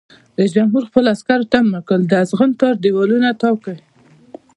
رئیس جمهور خپلو عسکرو ته امر وکړ؛ د اغزن تار دیوالونه تاو کړئ!